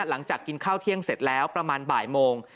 หลังจากกินข้าวเที่ยงเสร็จแล้วประมาณบ่ายโมง